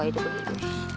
よし。